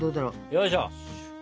よいしょ。